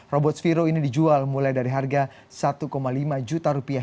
robot sviro ini dijual mulai dari harga satu lima juta rupiah